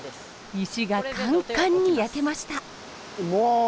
石がカンカンに焼けました。